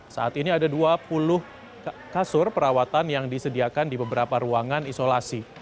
saat ini ada dua puluh kasur perawatan yang disediakan di beberapa ruangan isolasi